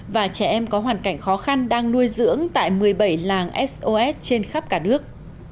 và trẻ em có hoàn cảnh khó khăn đang nuôi dưỡng tại một mươi bảy làng sos trên khắp cả nước